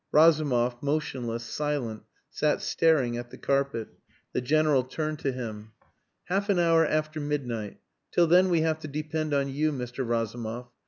Razumov, motionless, silent, sat staring at the carpet. The General turned to him. "Half an hour after midnight. Till then we have to depend on you, Mr. Razumov.